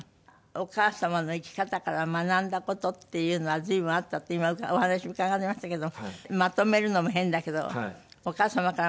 お母様の生き方から学んだ事っていうのは随分あったって今お話伺いましたけどもまとめるのも変だけどお母様から学んだ事って？